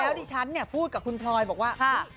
แล้วที่ฉันพูดกับคุณพลอยนะคะว่า